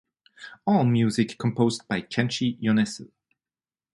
All music composed by Kenshi Yonezu.